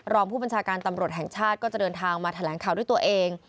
รองผู้บัญชาการตำรวจแห่งชาติก็จะเดินทางมาแถลงข่าวด้วยตัวเอง